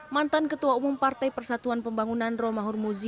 mantan ketua umum partai persatuan pembangunan roma hurmuzi